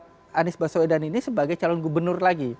tidak menganggap anies beswedan ini sebagai calon gubernur lagi